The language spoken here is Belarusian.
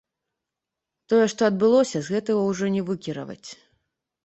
Тое, што адбылося, з гэтага ўжо не выкіраваць.